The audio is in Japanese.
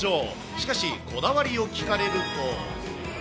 しかし、こだわりを聞かれると。